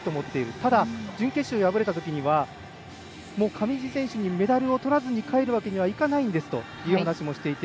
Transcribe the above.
ただ、準決勝で敗れたときには上地選手にメダルをとらずに帰るわけにはいかないんですという話もしていて。